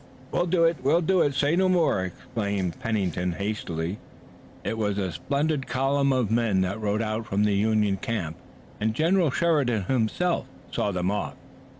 "We'll do it! We'll do it! say no more!" exclaimed Pennington hastily. It was a splendid column of men that rode out from the Union camp and General Sheridan himself saw them off.